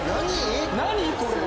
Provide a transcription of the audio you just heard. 何これ！